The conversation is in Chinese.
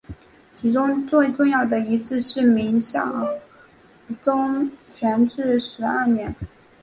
其中最重要的一次是明孝宗弘治十二年。